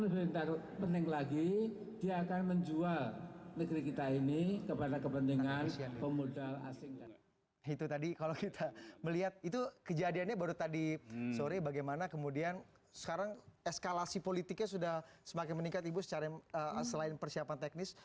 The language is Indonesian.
nah itu tadi kalau kita melihat itu kejadiannya baru tadi sore bagaimana kemudian sekarang eskalasi politiknya sudah semakin meningkat ibu secara selain persiapan teknis